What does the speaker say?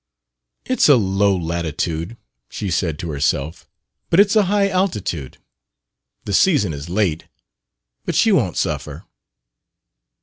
"It's a low latitude," she said to herself; "but it's a high altitude. The season is late, but she won't suffer."